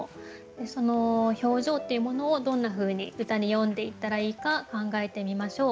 その表情っていうものをどんなふうに歌に詠んでいったらいいか考えてみましょう。